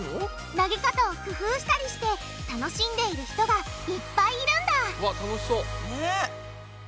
投げ方を工夫したりして楽しんでいる人がいっぱいいるんだわっ楽しそう。ね！